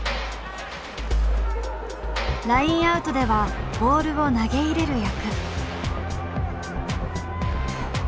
ラインアウトではボールを投げ入れる役。